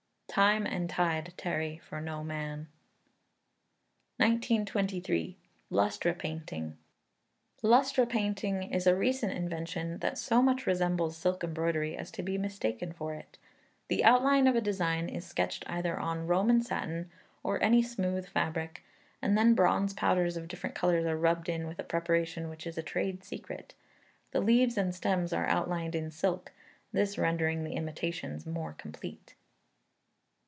[TIME AND TIDE TARRY FOR NO MAN.] 1923. Lustra Painting. Lustra painting is a recent invention that so much resembles silk embroidery as to be mistaken for it. The outline of a design is sketched either on Roman satin or any smooth fabric, and then bronze powders of different colours are rubbed in with a preparation which is a trade secret. The leaves and stems are outlined in silk, this rendering the imitations more complete.